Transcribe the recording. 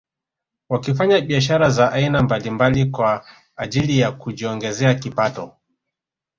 Wakifanya biashara za aina mbalimbali kwa ajili ya kujiongezea kipato